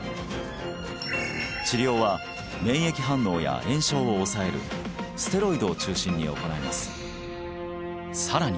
治療は免疫反応や炎症を抑えるステロイドを中心に行いますさらに